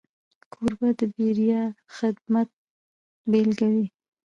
کوربه د بېریا خدمت بيلګه وي.